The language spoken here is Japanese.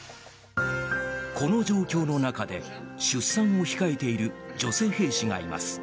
この状況の中で出産を控えている女性兵士がいます。